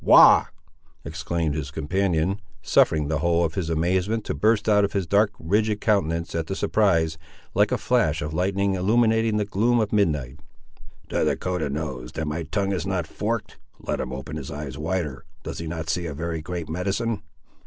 "Wagh!" exclaimed his companion, suffering the whole of his amazement to burst out of his dark rigid countenance at the surprise, like a flash of lightning illuminating the gloom of midnight. "The Dahcotah knows that my tongue is not forked. Let him open his eyes wider. Does he not see a very great medicine?"